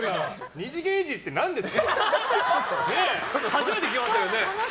２次元イジリって何ですか？